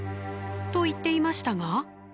と言っていましたが。